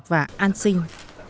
và an sinh